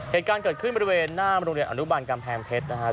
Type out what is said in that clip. เหตุการณ์เกิดขึ้นบริเวณหน้าโรงเรียนอนุบันกำแพงเพชรนะครับ